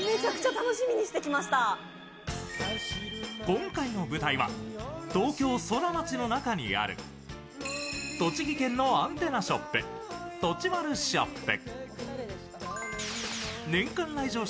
今回の舞台は東京ソラマチの中にある栃木県のアンテナショップ、とちまるショップ。